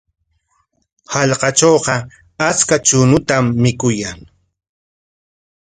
Hallqatrawqa achka chuñutam mikuyan.